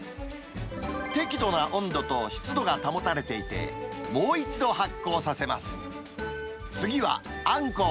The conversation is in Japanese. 適度な温度と湿度が保たれていて、もう一度発酵させます。